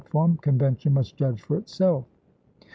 form. Convention must judge for itself."